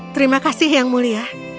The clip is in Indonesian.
terima kasih yang mulia